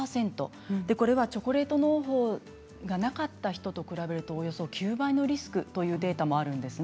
これはチョコレートのう胞がなかった人と比べるとおよそ９倍のリスクというデータもあるんです。